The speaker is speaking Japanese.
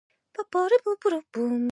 いつの間にか朝になってたり